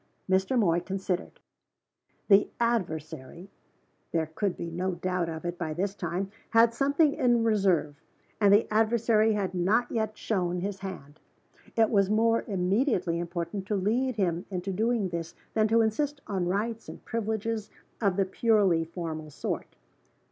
Mr. Moy considered. The adversary (there could be no doubt of it by this time) had something in reserve and the adversary had not yet shown his hand. It was more immediately important to lead him into doing this than to insist on rights and privileges of the purely formal sort.